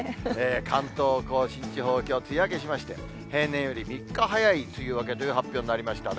関東甲信地方、きょう梅雨明けしまして、平年より３日早い梅雨明けという発表になりましたね。